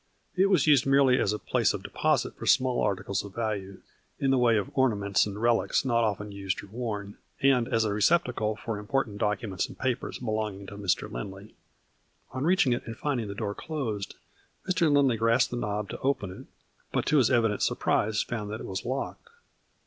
It was used mere ly as a place of deposit for small articles of value, in the way of ornaments and relics not often used or worn, and as a receptacle for important documents and papers belonging to Mr. Lindley. On reaching it and finding the door closed, Mr. Lindley grasped the knob to open it, but, to his evident surprise, found that it was locked.